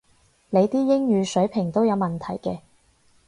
你啲英語水平都有問題嘅